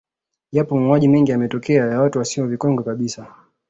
Yapo mauaji mengi yametokea ya watu wasio vikongwe kabisa